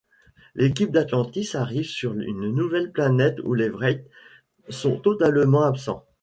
L'équipe d'Atlantis arrive sur une nouvelle planète où les Wraiths sont totalement absents.